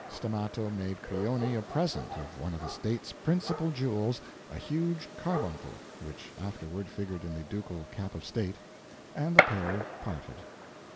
Stammato made Crioni a present of one of the state's principal jewels a huge carbuncle, which afterward figured in the Ducal cap of state and the pair parted.